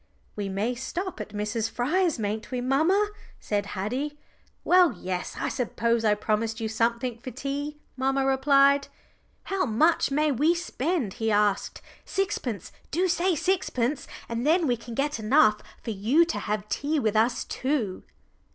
"We may stop at Miss Fryer's, mayn't we, mamma?" said Haddie. "Well, yes, I suppose I promised you something for tea," mamma replied. "How much may we spend?" he asked. "Sixpence do say sixpence, and then we can get enough for you to have tea with us too."